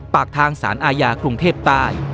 ปากทางสารอาญากรุงเทพใต้